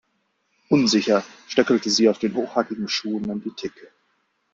Unsicher stöckelte sie auf den hochhackigen Schuhen an die Theke.